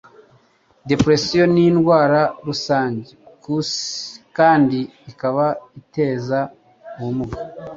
depression ni indwara rusange ku isi kandi ikaba iteza ubumuga